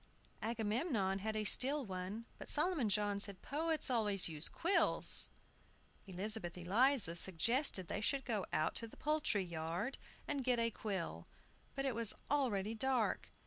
Agamemnon had a steel one, but Solomon John said, "Poets always used quills." Elizabeth Eliza suggested that they should go out to the poultry yard and get a quill. But it was already dark.